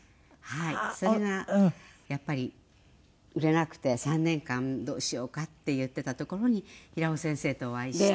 それがやっぱり売れなくて３年間どうしようかって言ってたところに平尾先生とお会いして。